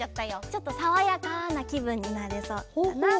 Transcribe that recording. ちょっとさわやかなきぶんになれそうかなって。